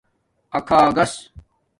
اکھاگݹس